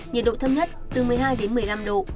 nhiệt độ thấp nhất từ một mươi hai đến một mươi năm độ